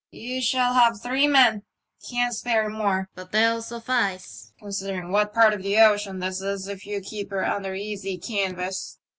" You shall have three men — can't spare more ; but they'll suflftce, considering what part of the ocean this is, if you keep her under easy canvas."